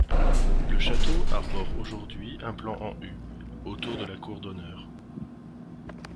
Le château arbore aujourd'hui un plan en U, autour de la cour d'honneur.